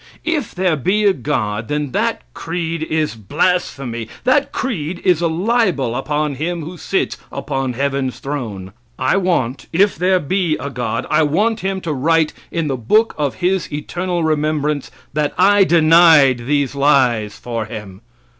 If there be a God, then that creed is blasphemy. That creed is a libel upon Him who sits upon heaven's throne. I want if there be a God I want Him to write in the book of his eternal remembrance that I denied these lies for Him.